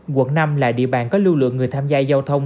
quận năm là địa bàn có lưu lượng người tham gia giao thông